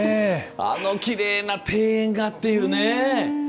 あのきれいな庭園がっていうね。